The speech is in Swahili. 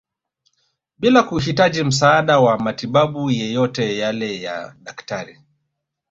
Bila kuhitaji msaada wa matibabu yeyote yale ya Daktari